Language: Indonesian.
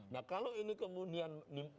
nah kalau ini kemudian